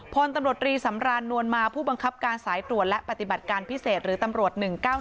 พลตำรวจรีสำรานนวลมาผู้บังคับการสายตรวจและปฏิบัติการพิเศษหรือตำรวจ๑๙๑